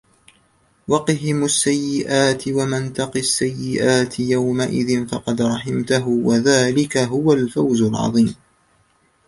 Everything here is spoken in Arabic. وقهم السيئات ومن تق السيئات يومئذ فقد رحمته وذلك هو الفوز العظيم